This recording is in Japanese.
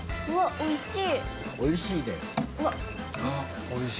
おいしい。